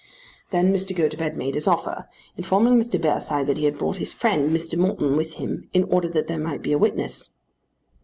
Then Mr. Gotobed made his offer, informing Mr. Bearside that he had brought his friend, Mr. Morton, with him in order that there might be a witness.